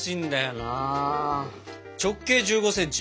直径１５ｃｍ。